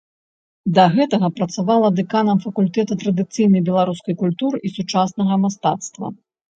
Да гэтага працавала дэканам факультэта традыцыйнай беларускай культуры і сучаснага мастацтва.